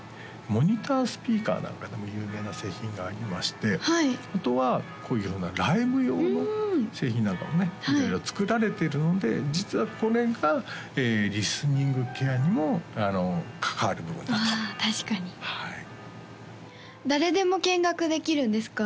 モニタースピーカーなんかでも有名な製品がありましてあとはこういうようなライブ用の製品なんかもね色々作られてるので実はこれがリスニングケアにも関わる部分だとああ確かに誰でも見学できるんですか？